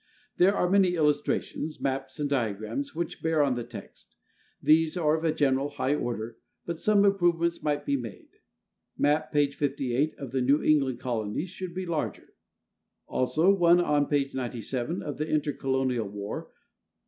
There are many illustrations, maps and diagrams which bear on the text. These are of a general high order, but some improvements might be made: Map, p. 58, of the New England colonies should be larger; also one on page 97 of the intercolonial war.